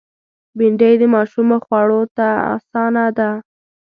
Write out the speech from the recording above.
بېنډۍ د ماشومو خوړ ته آسانه ده